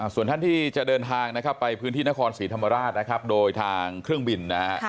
ส่วนท่านที่จะเดินทางไปพื้นที่นครศรีธรรมราชโดยทางเครื่องบิน